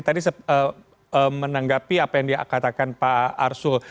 tadi menanggapi apa yang dikatakan pak arsul